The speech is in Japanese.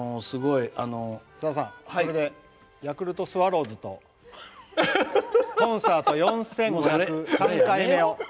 さださん、これでヤクルトスワローズとコンサート４５０３回目を。